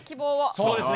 そうですね。